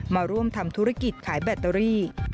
มาร่วมทำธุรกิจขายแบตเตอรี่